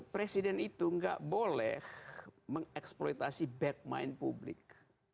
presiden itu gak boleh mengeksploitasi backman publik